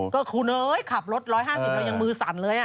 ก็คุณเอ้ยขับรถ๑๕๐เรายังมือสั่นเลย